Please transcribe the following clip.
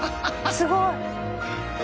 すごい。